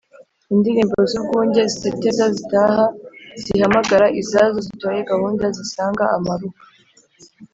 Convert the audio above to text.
Indilimbo z’urwunge, Ziteteza zitaha, Zihamagara izazo, Zitoye gahunda, Zisanga amaruka